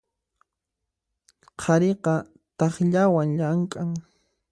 Qhariqa takllawan llamk'an.